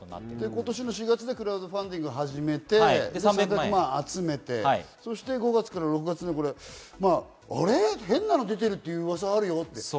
今年の４月にクラウドファンディングを始めて、集めて５月から６月に変なの出てるという噂があるよって。